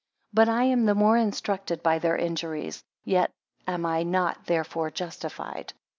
9 But I am the more instructed by their injuries; yet am I not therefore justified.